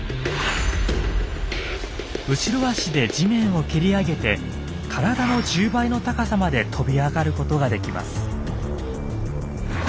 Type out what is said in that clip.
後ろ足で地面を蹴り上げて体の１０倍の高さまで跳び上がることができます。